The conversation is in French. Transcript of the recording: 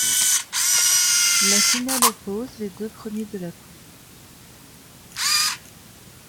La finale oppose les deux premiers de la poule.